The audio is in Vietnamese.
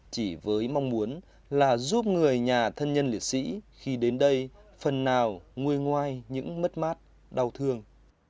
chỉ với mong muốn là giúp người nhà thân nhân liệt sĩ khi đến đây phần nào ngôi ngoài những mất mát đau thương